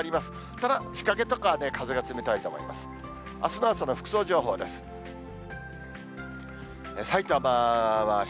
ただ、日陰とかはね、風が冷たいと思います。